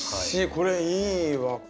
これいいわ。